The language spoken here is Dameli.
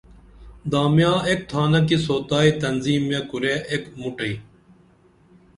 دامیاں ایک تھانہ کی سوتائی تنظیمےکُرے ایک مُٹی